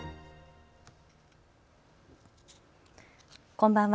こんばんは。